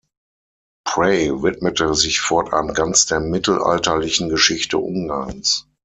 Pray widmete sich fortan ganz der mittelalterlichen Geschichte Ungarns.